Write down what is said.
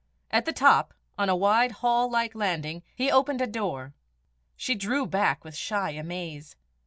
At the top, on a wide hall like landing, he opened a door. She drew back with shy amaze.